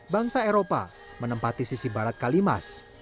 bangsa eropa menempati sisi barat kalimas